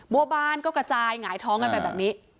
วัวบ้านก็กระจายหงายท้องกันไปแบบนี้